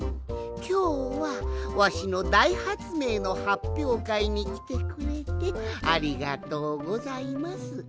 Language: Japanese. きょうはわしのだいはつめいのはっぴょうかいにきてくれてありがとうございます。